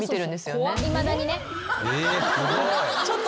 えすごい。